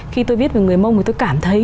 khi tôi viết về người mông thì tôi cảm thấy